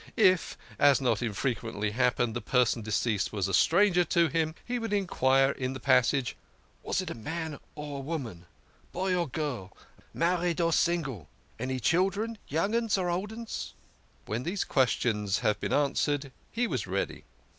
If, as not infrequently happened, the person deceased was a stranger to him, he 84 THE KING OF SCHNORRERS. would enquire in the passage :" Was it man or woman ? Boy or girl? Married or single? Any children? Young 'uns or old 'uns?" When these questions had been answered, he was ready.